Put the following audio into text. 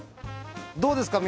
どうですか？